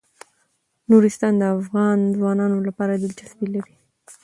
نورستان د افغان ځوانانو لپاره دلچسپي لري.